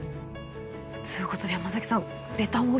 そういうことで山さん。